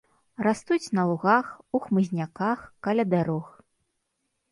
Растуць на лугах, у хмызняках, каля дарог.